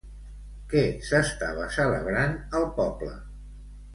Què s'estava celebrant al poble?